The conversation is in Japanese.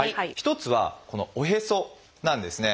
１つはこのおへそなんですね。